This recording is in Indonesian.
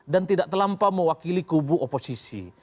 dan tidak terlampau mewakili kubu oposisi